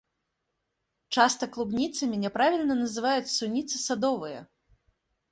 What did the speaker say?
Часта клубніцамі няправільна называюць суніцы садовыя.